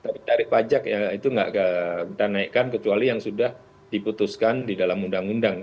tapi tarif pajak ya itu nggak kita naikkan kecuali yang sudah diputuskan di dalam undang undang